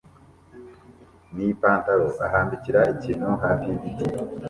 nipantaro ahambira ikintu hafi yigiti